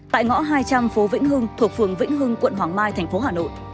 tại ngõ hai trăm linh phố vĩnh hương thuộc phường vĩnh hương quận hoàng mai thành phố hà nội